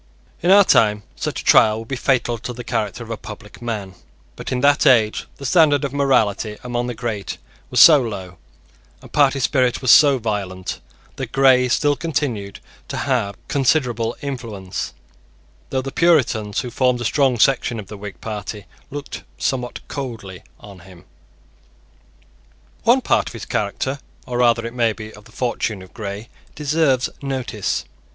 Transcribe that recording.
In our time such a trial would be fatal to the character of a public man; but in that age the standard of morality among the great was so low, and party spirit was so violent, that Grey still continued to have considerable influence, though the Puritans, who formed a strong section of the Whig party, looked somewhat coldly on him. One part of the character, or rather, it may be, of the fortune, of Grey deserves notice.